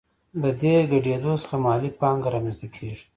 د دې ګډېدو څخه مالي پانګه رامنځته کېږي